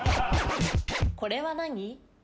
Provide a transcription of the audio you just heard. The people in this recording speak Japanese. これは何？